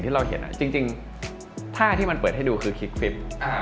จริงท่าที่มันเปิดให้ดูคือคลิป